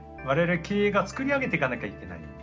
我々経営が作り上げていかなきゃいけない。